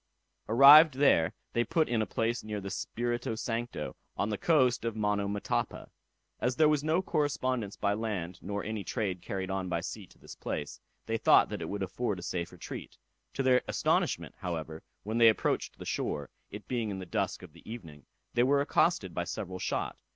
Arrived there, they put in a place near the river Spirito Sancto, on the coast of Monomotapa. As there was no correspondence by land, nor any trade carried on by sea to this place, they thought that it would afford a safe retreat. To their astonishment, however, when they approached the shore, it being in the dusk of the evening, they were accosted by several shot.